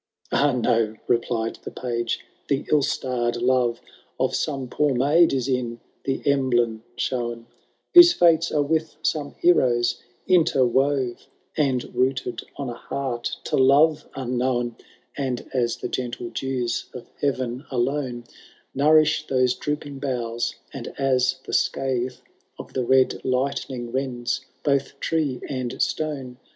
"—« Ah, no I " replied the Page ;" the ill starr'd love Of some poor maid is in the emblem shown, Whose fates are with some heroes interwove. And rooted on a heart to love imknown : And as the gentle dews of heaven alone OudO V, HAROtD TUB DAUNTLB8S. 171 Kouriflh thoee drooping boughfl, and as the scathe Of the red lightning lends both tree and stone.